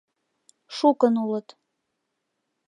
Шукын улыт.